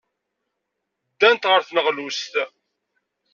Ddant ɣer tneɣlust.